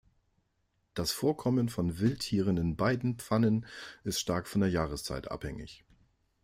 Das Vorkommen von Wildtieren in beiden Pfannen ist stark von der Jahreszeit abhängig.